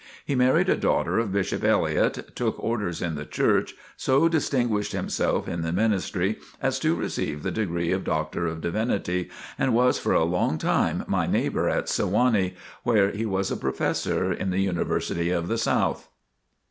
He married a daughter of Bishop Elliott, took orders in the Church, so distinguished himself in the ministry as to receive the degree of Doctor of Divinity, and was for a long time my neighbor at Sewanee, where he was a Professor in The University of the South.